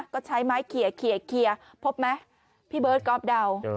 ก็ใช้ไม้เคียร์เคียร์เคียร์เคียร์พบมั้ยพี่เบิร์ชก๊อลปดัว